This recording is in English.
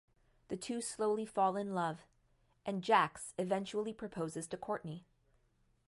The two slowly fall in love and Jax eventually proposes to Courtney.